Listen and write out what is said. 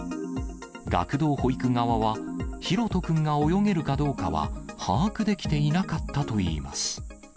学童保育側は、大翔君が泳げるかどうかは把握できていなかったといいます。